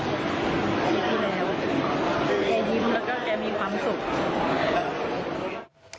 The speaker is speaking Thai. นี้ยิ้มแล้วแกมีมากขึ้น